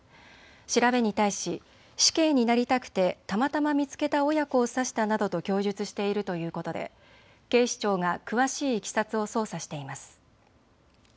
調べに対し死刑になりたくてたまたま見つけた親子を刺したなどと供述しているということで警視庁が詳しいいきさつを捜査しています。